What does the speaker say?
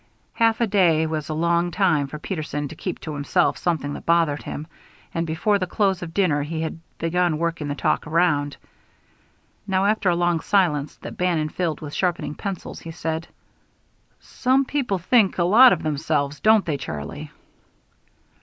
Half a day was a long time for Peterson to keep to himself something that bothered him, and before the close of dinner he had begun working the talk around. Now, after a long silence, that Bannon filled with sharpening pencils, he said: "Some people think a lot of themselves, don't they, Charlie?"